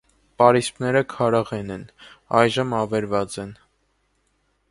Պարիսպները քարաղեն են, այժմ ավերված են։